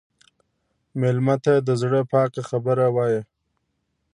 مېلمه ته د زړه پاکه خبره وایه.